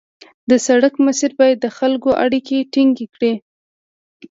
د سړک مسیر باید د خلکو اړیکې ټینګې کړي